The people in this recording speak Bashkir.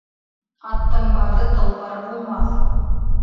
Аттың бары толпар булмаҫ